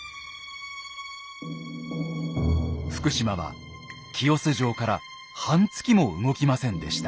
福島は清須城から半月も動きませんでした。